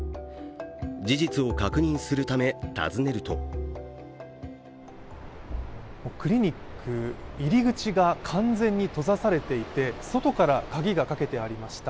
事実を確認するため、訪ねるとクリニック入り口が完全に閉ざされていて、外から鍵がかけてありました。